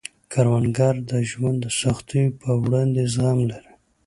کروندګر د ژوند د سختیو په وړاندې زغم لري